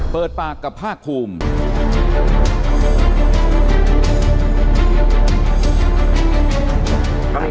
เปิดปากกับภาคภูมิ